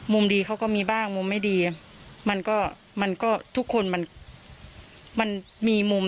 ดีเขาก็มีบ้างมุมไม่ดีมันก็มันก็ทุกคนมันมันมีมุม